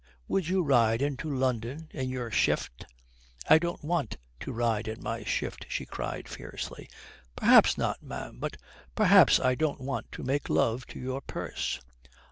Would you ride into London in your shift?" "I don't want to ride in my shift," she cried fiercely. "Perhaps not, ma'am. But perhaps I don't want to make love to your purse."